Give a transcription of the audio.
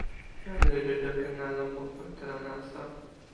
jan lili li ken ala moku e telo nasa.